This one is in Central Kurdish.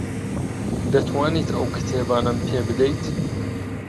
دەتوانیت ئەو کتێبانەم پێ بدەیت؟